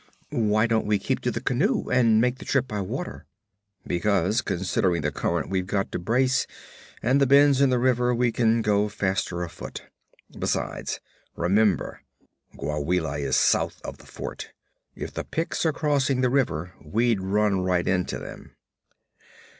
'Why don't we keep to the canoe and make the trip by water?' 'Because, considering the current we've got to brace, and the bends in the river, we can go faster afoot. Besides, remember Gwawela is south of the fort; if the Picts are crossing the river we'd run right into them.'